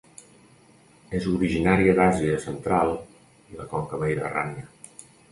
És originària d'Àsia central i la conca mediterrània.